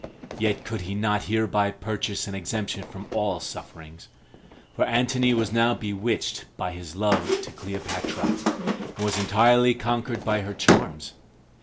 Yet could he not hereby purchase an exemption from all sufferings; for Antony was now bewitched by his love to Cleopatra, and was entirely conquered by her charms.